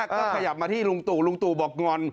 ก็ขยับมาที่ลุงตู่ลุงตู่บอกงอน